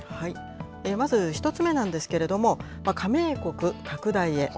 まず１つ目なんですけれども、加盟国拡大へ。